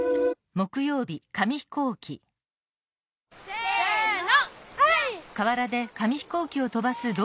せの！